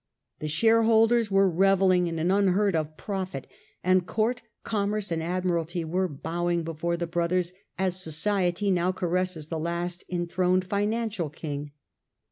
The shareholders were revelling in an unheard of profit, and court, commerce, and admiralty were bowing before the brothers as society now caresses the last enthroned financial king.